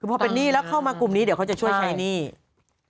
พอเป็นหนี้แล้วเข้ามากลุ่มนี้เดี๋ยวเขาจะช่วยใช้หนี้